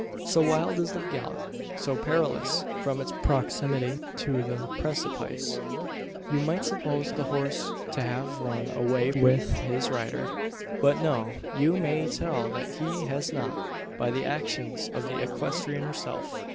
So wild is the gallop so perilous from its proximity to the precipice you might suppose the horse to have run away with his rider. But no. You may tell that he has not, by the actions of the equestrian herself.